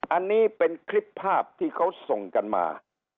อันนี้เป็นคลิปภาพที่เขาส่งกันมา